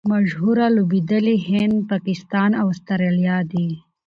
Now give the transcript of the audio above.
مشهوره لوبډلي هند، پاکستان او اسټرالیا دي.